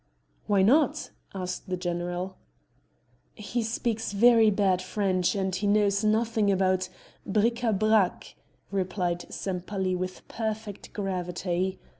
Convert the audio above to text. "Why not?" asked the general. "He speaks very bad French and he knows nothing about bric à brac," replied Sempaly with perfect gravity.